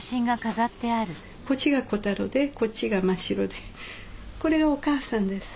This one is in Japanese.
こっちがコタロでこっちがマシロでこれお母さんです。